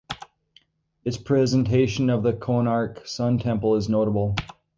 Its presentation of the Konark Sun Temple is notable.